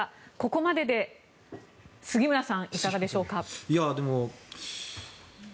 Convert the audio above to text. ここまでで杉村さん、いかがでしょうか。